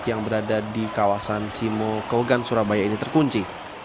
yang berada di kawasan simo kwa gen surabaya ini terkunci